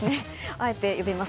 あえて呼びます。